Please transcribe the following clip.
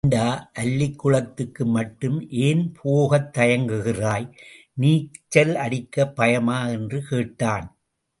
ஏண்டா அல்லிக் குளத்துக்கு மட்டும் ஏன் போகத் தயங்குகிறாய் நீச்சல் அடிக்கப் பயமா என்று கேட்டான்.